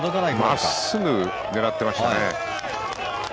真っすぐ狙ってましたね。